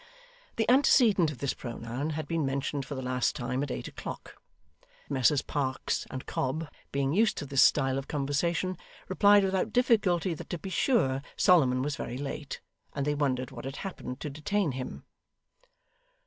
The antecedent of this pronoun had been mentioned for the last time at eight o'clock. Messrs Parkes and Cobb being used to this style of conversation, replied without difficulty that to be sure Solomon was very late, and they wondered what had happened to detain him.